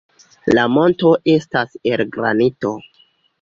La monto estas el granito.